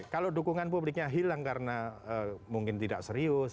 kalau dukungan publiknya hilang karena mungkin tidak serius